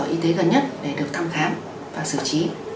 cơ sở y tế gần nhất để được thăm khám và xử trí